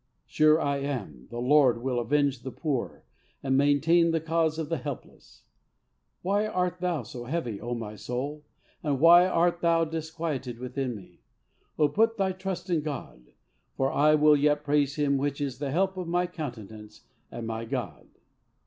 Sure I am, the Lord will avenge the poor, and maintain the cause of the helpless. Why art thou so heavy, O my soul, and why art thou disquieted within me? Oh, put thy trust in God; for I will yet praise Him which is the help of my countenance and my God!